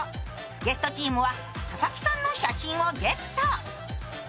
ゲストチームは佐々木さんの写真をゲット。